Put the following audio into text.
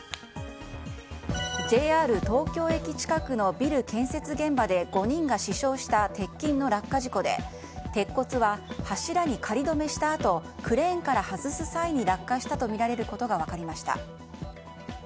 ＪＲ東京駅近くのビル建設現場で５人が死傷した鉄筋の落下事故で鉄骨は、柱に仮止めしたあとクレーンから外す際に落下したとみられることが分かりました。